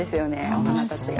お花たちが。